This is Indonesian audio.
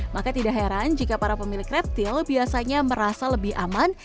maka tidak heran jika para pemilik reptil biasanya merasa lebih aman